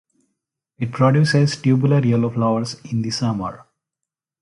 It produces tubular yellow flowers in the summer.